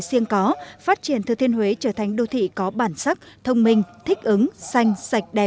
riêng có phát triển thừa thiên huế trở thành đô thị có bản sắc thông minh thích ứng xanh sạch đẹp